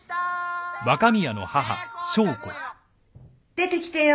出てきてよ。